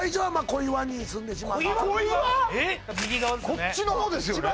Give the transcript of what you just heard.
こっちの方ですよね